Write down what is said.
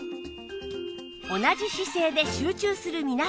同じ姿勢で集中する皆さん